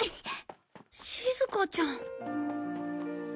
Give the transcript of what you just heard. しずかちゃん。